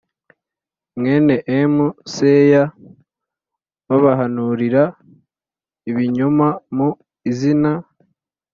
mwene M seya babahanurira ibinyoma mu izina